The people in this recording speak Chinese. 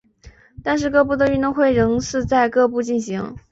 但是各部的运动会仍是在各部进行。